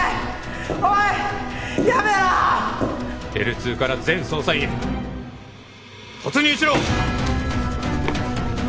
Ｌ２から全捜査員へ突入しろ！